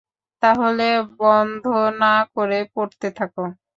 তাহলে বন্ধ না করে পড়তে থাকো।